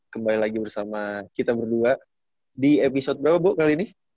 kembali lagi bersama kita berdua di episode berapa bu kali ini